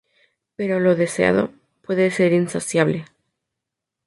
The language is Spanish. Pero lo deseado, puede ser insaciable.